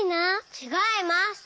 ちがいます。